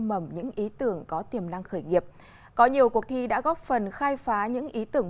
mầm những ý tưởng có tiềm năng khởi nghiệp có nhiều cuộc thi đã góp phần khai phá những ý tưởng